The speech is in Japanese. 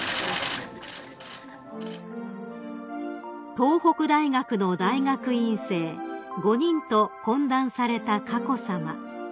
［東北大学の大学院生５人と懇談された佳子さま］